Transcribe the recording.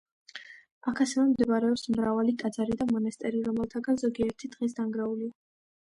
აქ ასევე მდებარეობს მრავალი ტაძარი და მონასტერი, რომელთაგან ზოგიერთი დღეს დანგრეულია.